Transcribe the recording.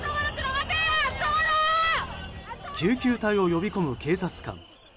救急隊を呼び込む警察官。